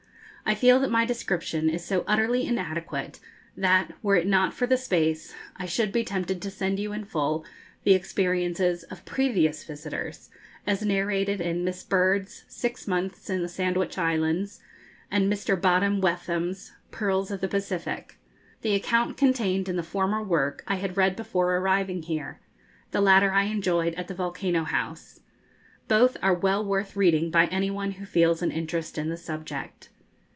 I feel that my description is so utterly inadequate, that, were it not for the space, I should be tempted to send you in full the experiences of previous visitors, as narrated in Miss Bird's 'Six Months in the Sandwich Islands,' and Mr. Bodham Whetham's 'Pearls of the Pacific.' The account contained in the former work I had read before arriving here; the latter I enjoyed at the 'Volcano House.' Both are well worth reading by any one who feels an interest in the subject.